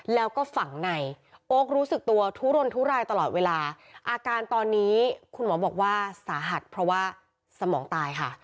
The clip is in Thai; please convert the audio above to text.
แล้วก็ฝังในโอ๊ครู้สึกตัวทุรนทุรายตลอดเวลาอาการตอนนี้คุณหมอบอกว่าสาหัสเพราะว่าสมองตายค่ะ